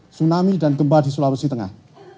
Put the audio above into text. tsunami dan gempa di sulawesi tengah